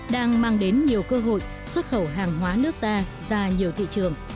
đang mang đến nhiều cơ hội xuất khẩu hàng hóa nước ta ra nhiều thị trường